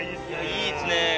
いいですね。